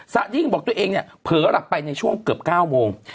สักทีบอกตัวเองเผลอหลับไปในช่วงเกือบ๙โมง